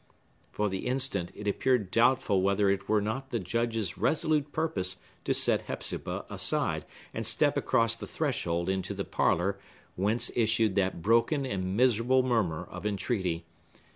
For the instant, it appeared doubtful whether it were not the Judge's resolute purpose to set Hepzibah aside, and step across the threshold into the parlor, whence issued that broken and miserable murmur of entreaty.